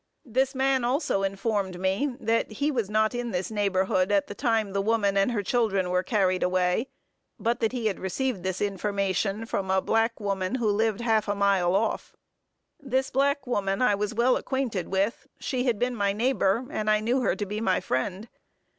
This man also informed me, that he was not in this neighborhood at the time the woman and her children were carried away; but that he had received his information from a black woman, who lived half a mile off. This black woman I was well acquainted with; she had been my neighbor, and I knew her to be my friend.